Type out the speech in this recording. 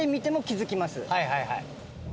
はいはいはい。